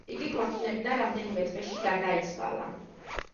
იგი ქორწინებიდან რამდენიმე თვეში გარდაიცვალა.